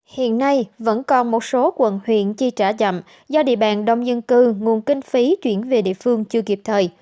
hiện nay vẫn còn một số quận huyện chi trả chậm do địa bàn đông dân cư nguồn kinh phí chuyển về địa phương chưa kịp thời